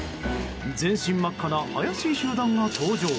全身真っ赤な怪しい集団が登場。